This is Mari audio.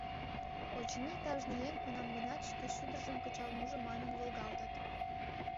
— Очыни, кажне еҥ кунам-гынат шке шӱдыржым кычал мужо манын волгалтыт.